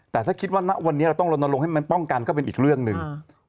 แต่ถ้าคิดว่าณวันนี้เราต้องลนลงให้มันป้องกันก็เป็นอีกเรื่องหนึ่ง